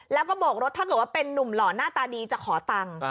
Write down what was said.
แล้วก็โบกรถถ้าเกิดว่าเป็นนุ่มหล่อหน้าตาดีจะขอตังค์